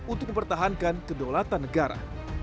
untuk mempertahankan kedaulatan negara